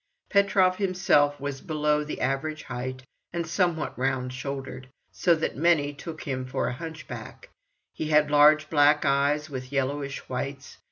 Petrov himself was below the average height and somewhat round shouldered, so that many took him for a hunchback; he had large black eyes with yellowish whites.